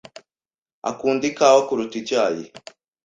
akunda ikawa kuruta icyayi.